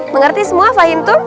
mengerti semua fahim tuh